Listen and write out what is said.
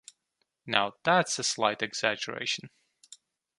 Now that's a slight exaggeration.